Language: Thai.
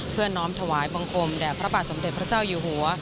น้อมถวายบังคมแด่พระบาทสมเด็จพระเจ้าอยู่หัว